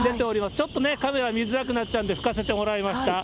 ちょっとカメラ見づらくなっちゃうんで、拭かせてもらいました。